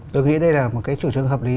tôi nghĩ đây là một chủ trương hợp lý